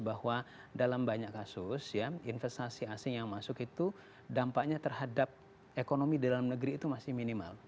bahwa dalam banyak kasus investasi asing yang masuk itu dampaknya terhadap ekonomi dalam negeri itu masih minimal